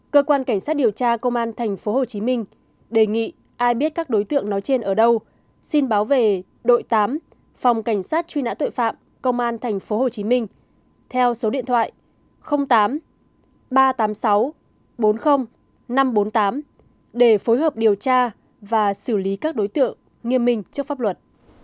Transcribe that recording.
cơ quan cảnh sát điều tra công an tp hcm đề nghị ai biết các đối tượng nói trên ở đâu xin báo về đội tám phòng cảnh sát truy nã tội phạm công an tp hcm theo số điện thoại tám ba trăm tám mươi sáu bốn mươi năm trăm bốn mươi tám để phối hợp điều tra và xử lý các đối tượng nghiêm minh trước pháp luật